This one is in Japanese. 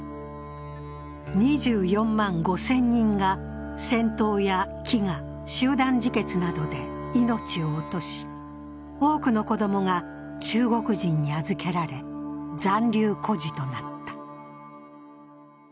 ２４万５０００人が戦闘や飢餓、集団自決などで命を落とし、多くの子供が中国人に預けられ、残留孤児となった。